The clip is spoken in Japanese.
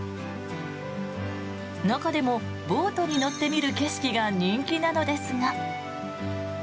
中でもボートに乗って見る景色が人気なのですが。